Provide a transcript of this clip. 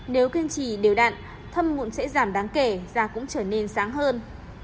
nếu kiên trì đều đặn thâm mụn sẽ giảm đáng kể da cũng trở nên sáng hơn